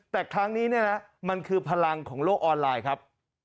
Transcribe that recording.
แต่ครั้งนี้เนี่ยนะมันคือพลังของโลกออนไลน์ครับ